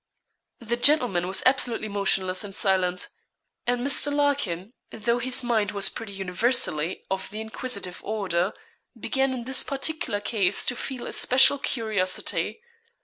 The gentleman was absolutely motionless and silent. And Mr. Larkin, though his mind was pretty universally of the inquisitive order, began in this particular case to feel a special curiosity.